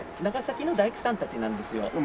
長崎の大工さんたちなんですよ。